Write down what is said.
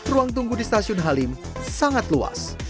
ruang tunggu di stasiun halim sangat luas